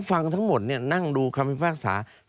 ฟังทั้งหมดนั่งดูคำพิพากษา